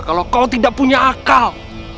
kalau kau tidak punya akal